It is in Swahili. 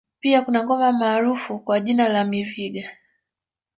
Pia kuna ngoma maarufu kwa jina la Miviga